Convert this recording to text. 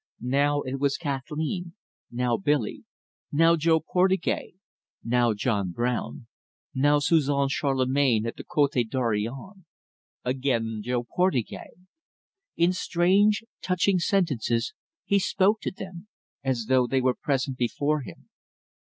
Now it was Kathleen, now Billy, now Jo Portugais, now John Brown, now Suzon Charlemagne at the Cote Dorion, again Jo Portugais. In strange, touching sentences he spoke to them, as though they were present before him.